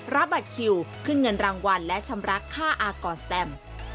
รับบัตรคิวขึ้นเงินรางวัลและชำระค่าอากรสแตม